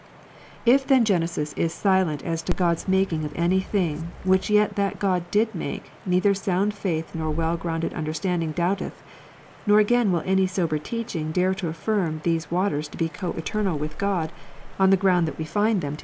If then Genesis is silent as to God's making of any thing, which yet that God did make neither sound faith nor well grounded understanding doubteth, nor again will any sober teaching dare to affirm these ivaters to be coeternal with God, on the ground that we find them to To see truth in Scripture^ one thing, to see the Trut)i,another.